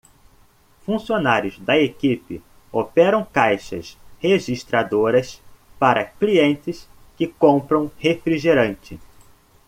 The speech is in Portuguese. Funcionários da equipe operam caixas registradoras para clientes que compram refrigerante.